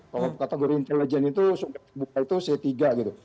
bahwa kategori intelijen itu terbuka itu c tiga gitu